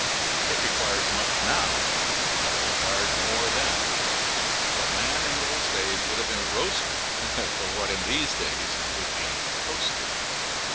It requires much now, but it required more then; for a man in those days would have been roasted for what in these days he would be toasted.